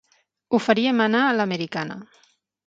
Ho faríem anar a l'americana.